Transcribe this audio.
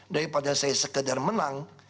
daripada saya sekedar menang